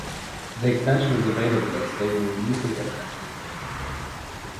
The extension is available as stable releases and nightly builds.